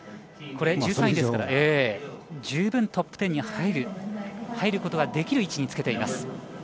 今は１３位ですから十分トップ１０に入ることのできる位置につけています。